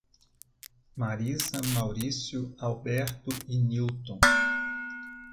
Marisa, Maurício, Alberto e Nilton